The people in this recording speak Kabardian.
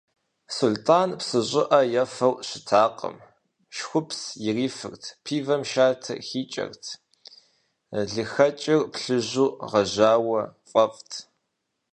Сулътӏан псы щӏыӏэ ефэу щытакъым, шхупст ирифыр, пивэм шатэ хикӏэрт, лыхэкӏыр плъыжьу гъэжьауэ фӏэфӏт.